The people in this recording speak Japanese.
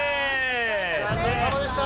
お疲れさまでした！